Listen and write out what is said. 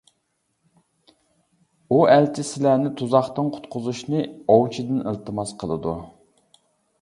ئۇ ئەلچى سىلەرنى تۇزاقتىن قۇتقۇزۇشنى ئوۋچىدىن ئىلتىماس قىلىدۇ.